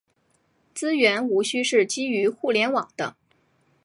资源无需是基于互联网的。